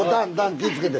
気ぃつけて。